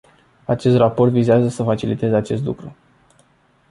Acest raport vizează să faciliteze acest lucru.